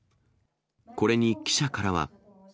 これに記者からは。